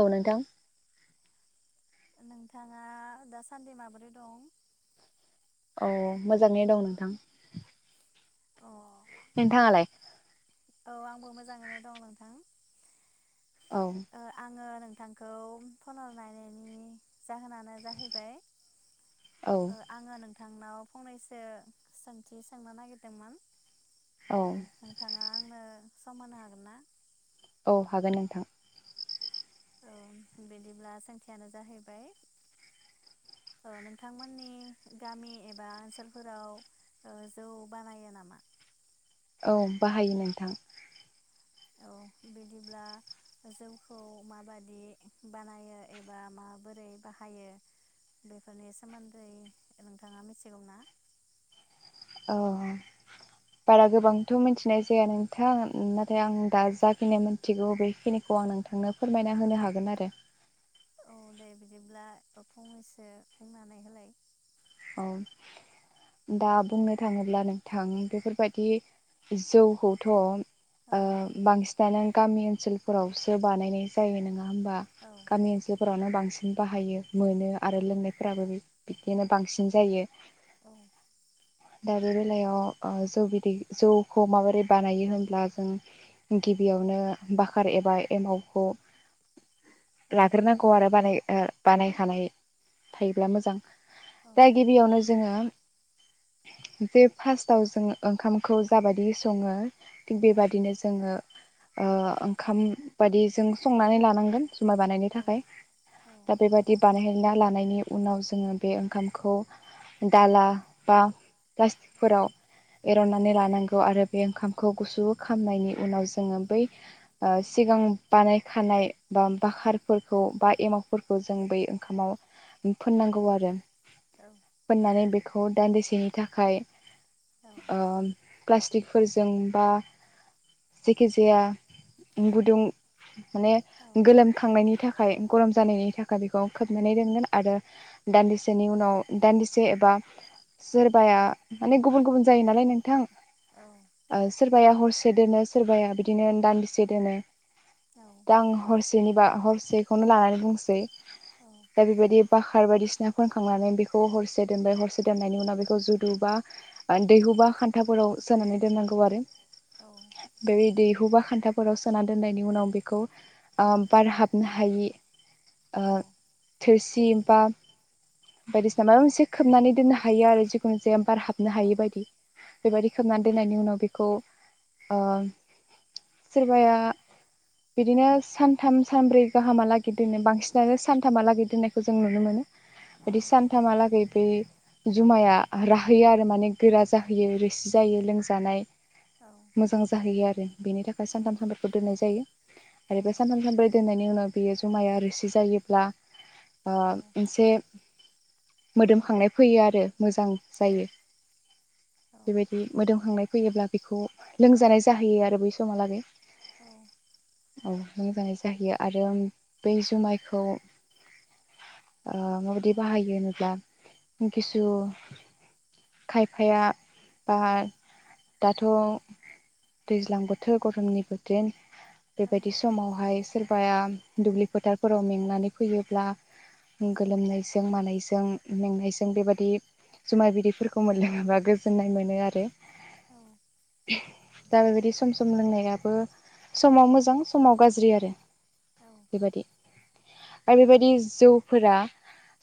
औ नोंथां। नोंथाङा दासान्दि माबोरै दं। औ मोजाङै दं नोंथां। नोंथाङालाय। औ आंबो मोजाङैनो दं नोंथां ओ आङो नों थांखौ फन हरनायनि नायनायनि जाहोनानो जाहैबाय ओ आङो नों नोंथांनाव फंनैसो सोंथि सोंनो नागिरदोंमोन। ओ नोंथाङा आंनो सम होनो हागोन ना? औ हागोन नोंथां। औ बिदिब्ला सोंथियानो जाहैबाय ओ नोंथांमोननि गामि एबा ओनसोलफोराव ओ जौ बानायो नामा? औ बाहायो नोंथां। औ बिदिब्ला जौखौ माबादि बानायो एबा माबोरै बाहायो बेफोरनि सोमोन्दै नोंथाङा मिथिगौ ना? अ बारा गोबांथ' मिथिनाय जाया नोंथां नाथाय आं दा जाखिनि मोनथिगौ बेखिनिखौ आं नोंथांनो फोरमायना होनो हागोन आरो औ दे बिदिब्ला फंनैसो बुंनानै होलाय। औ दा बुंनो थाङोब्ला नोंथां बेफोरबायदि जौखौथ' ओ बांसिन दाना गामि ओनसोलफोरावसो बानायनाय जायो नङा होमबा गामि ओनसोल फोरावनो बांसिन बाहायो मोनो आरो लोंनायफोराबो बिदिनो बांसिन जायो। औ। दा बे बेलायाव ओ जौ बिदै जौखौ माबोरै बानायो होनब्ला जों गिबियावनो बाखोर एबा एमावखौ। लाग्रोनांगौ आरो बानाय ओ। बानायखानाय थायोब्ला मोजां। दा गिबियावनो जोङो जे फार्स्टाव जों ओंखामखौ जाबायदि सङो। थिग बेबादिनो जोङो। ओ ओंखाम बायदिजों संनानै लानांगोन। जुमाय बानायनो थाखाय दा बेबायदि बानायहै। बिना लानायनि उनाव जोङो बे ओंखाम। खौ दाला बा प्लाटिकफोराव। एरननानै लानांगौ आरो। बे ओंखामखौ गुसु खामनायनि उनाव जोङो बै ओ सिगां बानायखानाय बा बाखारफोरखौ बा एमावफोरखौ जों बै ओंखामाव। फोननांगौ आरो। फोननानै। बेखौ दान्दिसेनि थाखाय अ। प्लास्टिकफोरजों बा जायखि जाया गुदुं माने गोलोमखांनायनि थाखाय गरम जानायनि थाखाय बेखौ खोबनानै रोंगोन आरो दान्दिसे। बेनि उनाव दान्दिसे बा सोरबाया माने गुबुन गुबुन जायो नालाय नोंथां। औ सोर। सोरबाया हरसे दोनो सोरबाया बिदिनो दान्दिसे दोनो। दां हरस। जेनिबा हरसेखौनो लानानै बुंसै दा बेबायदि बाखार बायदिसिना। फोनखांनानै बेखौ हरसे दोनबाय हरसे दोननायनि उनाव बेखौ जुदु बा दैहु बा खान्थाफोराव सोनानै दोननांगौ आरो। बेे रेदि। बबा खान्थाफोराव सोना दोननायनि उनाव बेखौ ओ बारहाबनो हायि। ओ थोरसि। [unintelligible] बायदिसिना माबा मोनसे खोबनानै दोननो हायो आरो जिखुनु जाया बार हाब [unintelligible] हायि बायदि बेबायदि खोबनानै दोननायनि उनाव बे खौ ओ सोरबाया बिदिनो सानथाम सानब्रै गाहामालागै दोनो बांसिनानो सानथामालागै दोननायखौ जों नुनो मोनो। बिदि सानथामहालागै बै जुमाया राहैयो आरो माने गोरा जाहैयो रोसि जायो लोंजानाय। मोजां जाहैयो आरो। बेनि थाखाय सानथाम सानब्रैखो दोननाय जायो आरो बे सानथाम सानब्रै दोननाय बिनि उनाव बेयो जुमाया रोसि जायोब्ला ओ से मोदोमखांनाय फैयो आरो मोजां जायो बेबायदि मोदोमखांनाय फैयोब्ला बेखौ लोंजानाय जाहैयो आरो बै समहालागै औ लोंजानाय जाहैयो आरो बै जुमायखौ ओ माबायदि बाहायो होनोब्ला किसु खायफाया बा दाथ दैज्लां बोथोर गरमनिबो दिन बेबायदि समावहाय सोरबाया दुब्लि फोथारफोराव मेंनानै फैयोब्ला ओ गोलोमनायजों मानायजों मेंनायजों बेबायदि जुमाय बिदैफोरखौ मोनलोंङोबा गोजोननाय मोनो आरो दा बेबायदि सम सम लोंनायाबो समाव मोजां समाव गाज्रि आरो बेबायदि आरो बेबायदि जौ फोरा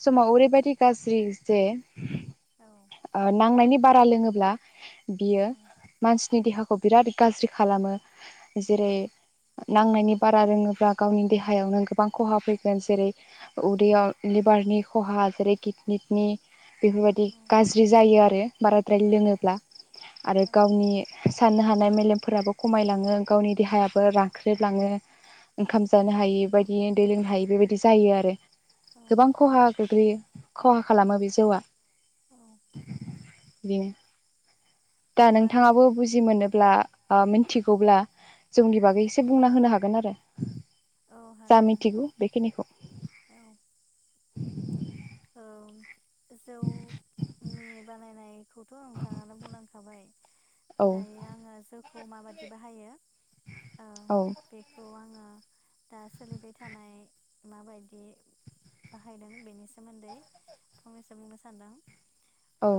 समाव ओरैबायदि गाज्रि जे ओ नांनायनि बारा लोङोब्ला बियो मानसिनि देहाख बिराद गाज्रि खालामो जेरै नांनायनि बारा रोङोब्ला गावनि देहायावनो गोबां खहा फैगोन जेरै उदै बियाव लिभारनि खहा जेरै किडनिनि बेफोरबायदि गाज्रि जायो आरो बाराद्राय लोङोब्ला आरो गावनि साननो हानाय मेलेमफोराबो खमायलाङो गावनि देहायाबो रानख्रेबलाङो ओंखाम जानो हायि बायदि दै लोंनो हायि बेबायदि जायो आरो गोबां खहा गोग्लैयो खहा खालामो बे जौआ बिदिनो दा नोंथाङाबो बुजि मोनोब्ला ओ मिथिगौब्ला जौनि बागै एसे बुंना होनो हागोन आरो जा मिथिगौ बेखिनिखौ [inaudible] गोजौ बानायनायखौथ नोंथाङानो बुंलांखाबाय दायो आङो जौखौ माबादि बाहायो ओ बेखौ आङो दा सोलिबाय थानाय माबायदि बाहायदों बेनि सोमोन्दै फंनैसो बुंनो सानदों। ओं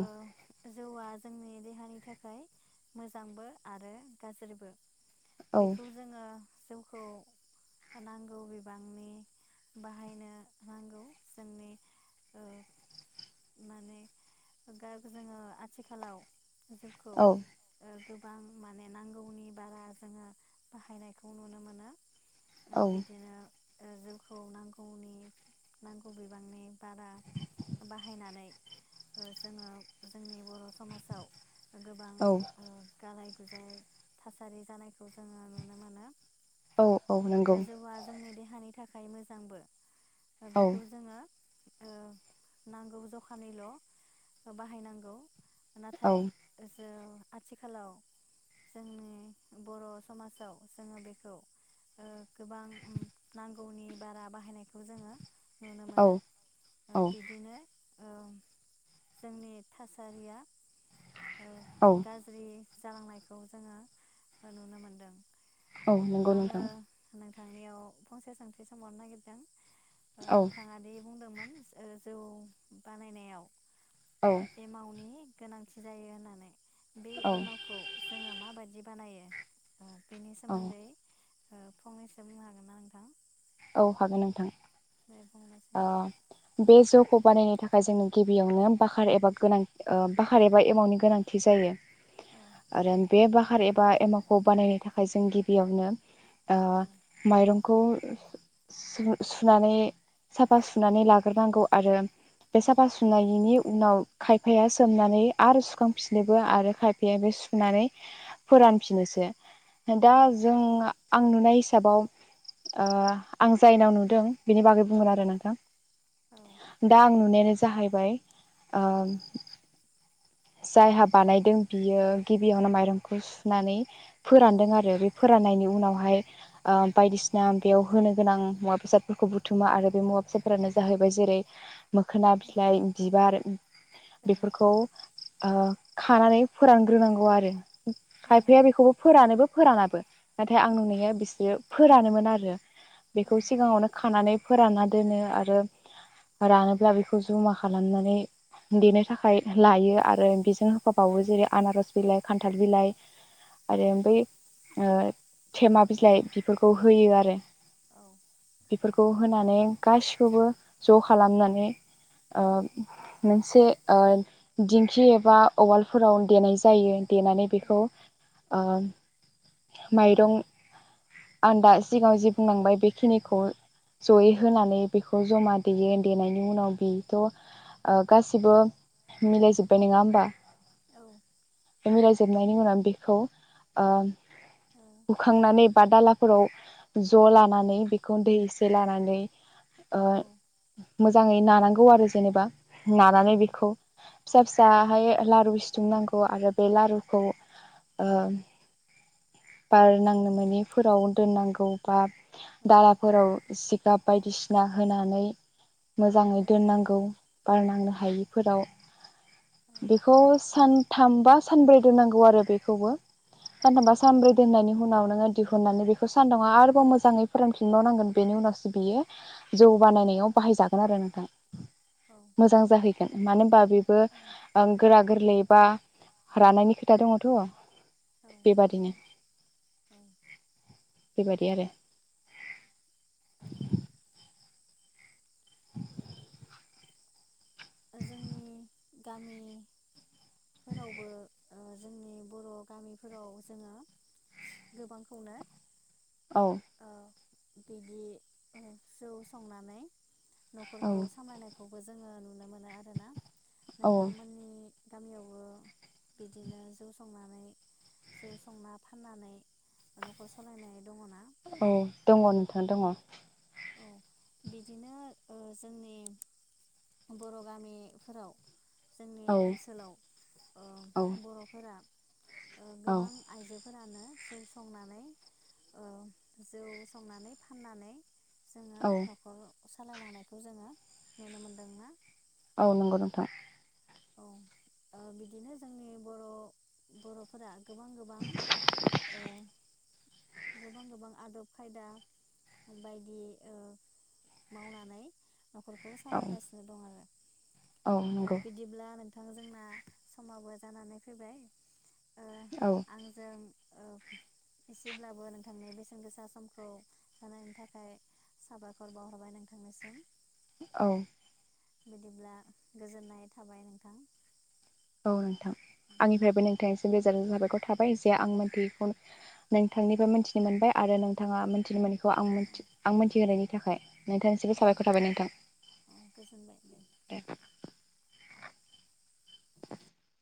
जौआ जोंनि देहानि थाखाय मोजांबो आरो गाज्रिबो बेखौ जोङो जौखौ नांगौ बिबांनि बाहायनो नांगौ जोंनि ओ माने गाग जोङो आथिखालाव जौखौ ओ गोबां माने नांगौनि बारा जोङो बाहायनायखौ नुनो मोनो ओ बिदिनो ओ जौखौ नांगौनि नांगौ बिबांनि बारा बाहायनानै ओ जोङो जोंनि बर समाजाव गोबां ओ गालाय जाय थासारि जानायखौ जोङो नुनो मोनो। औ औ नंगौ। हानि थाखाय मोजांबो। बेखौ जोङो। ओ नांगौ जखानिल बाहायनांगौ। नाथाय एस [unintelligible] आथिखालाव जोंनि बर' समाजाव जोङो बेखौ ओ गोबां उम नांगौनि बारा बाहायनायखौ जोङो नुनो मोनो ओ बिदिनो औ। जोंनि थासारिया औ गाज्रि। जालांनायखौ जोङो नुनो मोनदों। आङो नोंथ थांनायाव फंसे सोंथि सोंबावनो नागिरदों। ओ नोंथाङा दि बुंदोंमोन ओ जौ बानायनायाव ओ एमावनि गोनांथि जायो होननानै। बे एमावखौ जोङो माबादिब बानायो बेनि सोमोन्दै ओ फंनैसो बुंनो हागोन ना नोंथां। औ हागोन नोंथां। [inaudible] ओ बे जौखौ बानायनो थाखाय जोंनो गिबियावनो बाकार एबा गोनां बाकार एबा एमावनि गोनांथि जायो आरो बे बाकार एबा एमावखौ बानायनो थाखाय जों गिबियावनो ओ माइरं खौ सु-सुनानै साफा सुनानै लाग्रोनांगौ आरो बे साफा सुनायनि उनाव खायफाया सोमनानै आरो सुखांफिनोबो आरो खायफाया बे सुनानै फोरानफिनोसै दा जों आं नुनाय हिसाबाव ओ आं जायनाव नुदों बिनि बुं आरो नोंथां दा आं नुनाय जाहैबाय ओ जायहा बानायदों बियो गिबियावनो माइरंखौ सुनानै फोरानदों आरो बे फोराननायनि उनाव बेवहाय ओ बायदिसिना बेयाव होनो गोनां मुवा बेसादफोरखौ बुथुमा आरो बे मुवा बेसादफोरानो जाहैबाय जेरै मोखोना बिलाइ बिबार बेफोरखौ ओ खानानै फोरानग्रोनांगौ आरो खायफाया बेखौबो फोरानोबो फोरानाबो नाथाय आं नुयो बिसोरो फोरानोमोन आरो बेखौ सिगाङावनो खानानै फोरानना दोनो आरो रानोब्ला बेखौ जमा खालामनानै देनो थाखाय लायो। आरो बेजों होफाबावो जेरै आनारस बिलाइ खान्थाल बिलाइ। आरो ओमबै ओ थेमा बिलाइ बेफोरखौ होयो आरो बेफोरखौ होनानै गासिखौबो ज खालामनानै ओ मोनसे ओ दिं दिंखि एबा उवालफोराव देनाय जायो देनानै बेखौ ओ माइरं आं दा सिगाङाव जि बुंलांबाय बे खिनिखौ जयै होनानै बेखौ जमा देयो देनायनि उनाव बेथ ओ गासिबो मिलाय जोब बे नङा होनबा। मिलायजोबनायनि उनाव बेखौ ओ बुखांनानै बा दालाफोराव ज' लानानै बेखौ दै एसे लानानै ओ - मोजाङै नानांगौ आरो जेनेबा नानानै बेखौ फिसा फिसाहाय लारु सिथुंनांगौ आरो बे लारुखौ ओ बार नांनो मोनिफोराव दोननांगौ बा दालाफोराव सि गाब बायदिसिना होनानै। मोजाङै दोननांगौ बारनांनो हायिफोराव। बेखौ सानथामबा सानब्रै दोननांगौ आरो बेखौबो सानथामबा सानब्रै दोननायनि उनाव नोङो दिहुननानै बेखौ सानदुं आरोबाव मोजाङै फोरोंफिनलाव नांगोन बेनि उनावसो बियो जौ बानायनायाव बाहायजागोन आरो नोंथां। मोजां जाहैग गोन मानो होन बा बे बो ओं गोराग गोरलैयैबा रानायनि खोथा दङथ'। बेेबादिनो औ बेबादि आरो [inaudible] जोंनि गामि फोरावबो ओ जोंनि बर' गामिफोराव जोङो गोबांखौनो औ बिदि ओ जौ संनानै न'खरखौ सामालायनायख खौबो जोङो नुनो मोन। नो आरो ना। नोंथांमोननि गामियावबो बिदिनो जौ संनानै जौ संना फाननानै नखर सलायनाय दङना। औ दङ नोंथां दङ। औ बिदिनो ओ जोंनि बर' गामि फोराव। जोंनि ओनसोलाव ओ बर'फोरा। ओ गोबां आइजोब फोरानो जौ संनानै ओ जौ संनानै फाननानै। जोङो न'खर। सालायलांनायखौ जोङो नुनो मोनदोंना। औ नंगौ नोंथां। औ ओ बिदिनो जोंनि बर' बर'फोरा ‌। गोबां-गोबां ओ। गोबां-गोबां आदब खायदा बायदि ओ मावनानै। नखरखौ सामलायगासिनो दं आरो। ओ नंगौ‌ दा नोंथां जोंना समाबो जानानै फैबाय। औ। ओ एसेब्लाबो नोंथांनि बेसेन गोसा समखौ होनायनि थाखाय साबायखर बावहरबाय नोंथांनिसिम। औ। बिदिब्ला गोजोननाय। थाबाय नोंथां। औ नोंथां। आंनिफायबो नोंथांस। गोजोन जाबायखर थाबाय जे आं मोनथियैखौ नोंथांनिफाय मोनथिनो मोनबाय आरो नोंथाङा मोनथिनो मोनैखौ। खौ आं मोनथ आं मोनथि होनायनि। खाय। नोंथांसि साबायखर थाबाय नोंथां दे। [unintelligible]